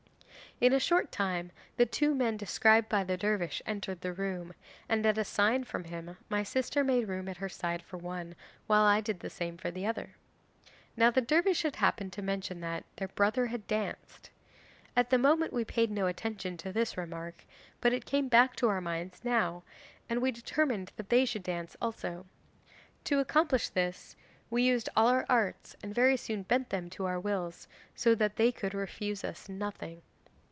'In a short time the two men described by the dervish entered the room, and at a sign from him my sister made room at her side for one, while I did the same for the other. 'Now the dervish had happened to mention that "their brother had danced." At the moment we paid no attention to this remark, but it came back to our minds now, and we determined that they should dance also. To accomplish this we used all our arts and very soon bent them to our wills, so that they could refuse us nothing.